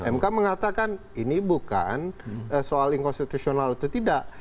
mk mengatakan ini bukan soal inkonstitusional atau tidak